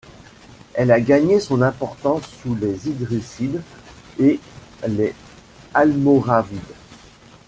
Elle a gagné son importance sous les Idrissides, et les Almoravides.